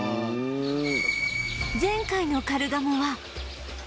前回のカルガモは